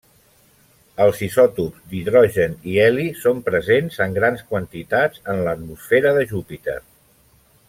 Els isòtops d'hidrogen i heli són presents en grans quantitats en l'atmosfera de Júpiter.